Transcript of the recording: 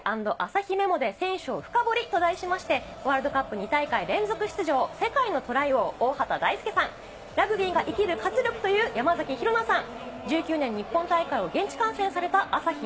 愛＆朝日メモで選手を深掘り」と題しまして、ワールドカップ２大会連続出場、世界のトライ王、大畑大介さん、ラグビーが生きる活力という山崎紘菜さん。